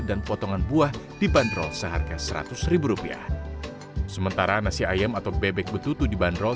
dan potongan buah dibanderol seharga seratus rupiah sementara nasi ayam atau bebek betutu dibanderol